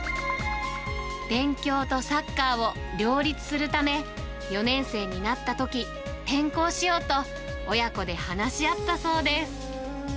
勉強とサッカーを両立するため、４年生になったとき、転校しようと、親子で話し合ったそうです。